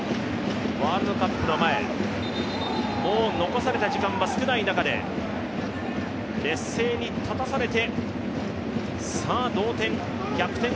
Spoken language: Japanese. ワールドカップの前、もう残された時間は少ない中で劣勢に立たされて、さあ、同点逆転